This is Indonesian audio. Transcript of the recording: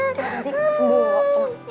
nanti nanti sembuh